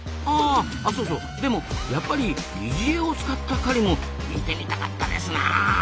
あそうそうでもやっぱり擬似餌を使った狩りも見てみたかったですなあ。